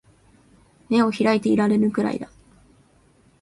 眼を開いていられぬくらいだ